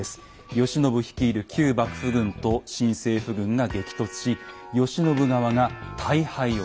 慶喜率いる旧幕府軍と新政府軍が激突し慶喜側が大敗を喫する。